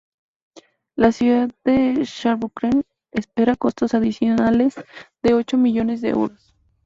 La ciudad de Saarbrücken espera costos adicionales de ocho millones de euros.